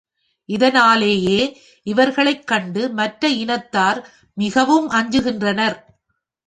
இதனாலேயே இவர்களைக் கண்டு மற்ற இனத்தார் மிகவும் அஞ்சுகின்றனர்.